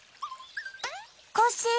コッシー。